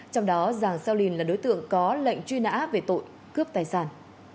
trong đó giàng xeo linh là đối tượng có lệnh truy nã về tội cướp tài sản